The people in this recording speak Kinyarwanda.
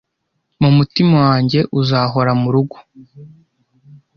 mumutima wanjye uzahora murugo